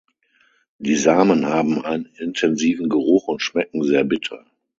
Die Samen haben einen intensiven Geruch und schmecken sehr bitter.